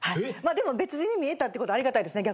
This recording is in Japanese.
でも別人に見えたってことはありがたいですね